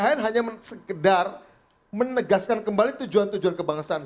saya hanya sekedar menegaskan kembali tujuan tujuan kebangsaan